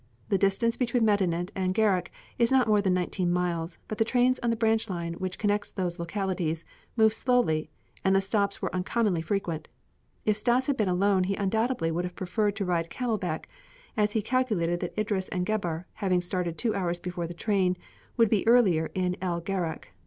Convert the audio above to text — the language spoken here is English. The distance between Medinet and Gharak is not more than nineteen miles, but the trains on the branch line which connects those localities move slowly and the stops were uncommonly frequent. If Stas had been alone he undoubtedly would have preferred to ride camel back as he calculated that Idris and Gebhr, having started two hours before the train, would be earlier in El Gharak.